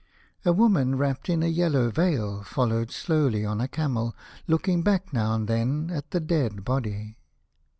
A woman wrapped in a yellow veil followed slowly on a camel, looking back now and then at the dead body.